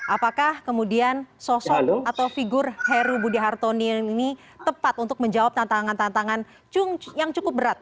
apakah kemudian sosok atau figur heru budi hartoni ini tepat untuk menjawab tantangan tantangan yang cukup berat